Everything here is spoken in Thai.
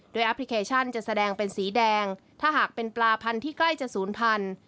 แอปพลิเคชันจะแสดงเป็นสีแดงถ้าหากเป็นปลาพันธุ์ที่ใกล้จะศูนย์พันธุ